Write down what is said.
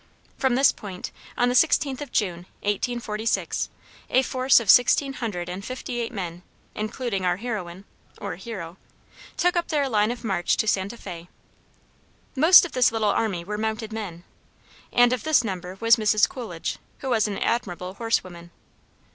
From this point, on the 16th of June, 1846, a force of sixteen hundred and fifty eight men, including our heroine (or hero), took up their line of march to Santa Fé. Most of this little army were mounted men, and of this number was Mrs. Coolidge, who was an admirable horsewoman.